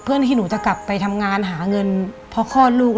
เพื่อที่หนูจะกลับไปทำงานหาเงินเพราะคลอดลูก